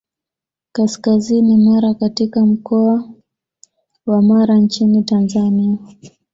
Kaskazini Mara katika mkoa wa Mara nchini Tanzania